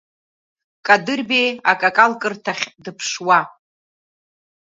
Кадырбеи акакалкырҭахь дыԥшуа.